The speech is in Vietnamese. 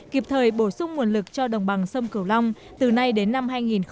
kịp thời bổ sung nguồn lực cho đồng bằng sông cửu long từ nay đến năm hai nghìn hai mươi